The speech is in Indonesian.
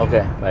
lo kemana mbak